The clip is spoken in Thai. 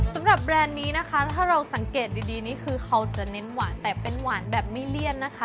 แบรนด์นี้นะคะถ้าเราสังเกตดีนี่คือเขาจะเน้นหวานแต่เป็นหวานแบบไม่เลี่ยนนะคะ